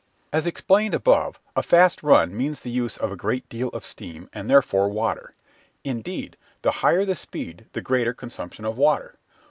As explained above, a fast run means the use of a great deal of steam and therefore water; indeed, the higher the speed the greater consumption of water.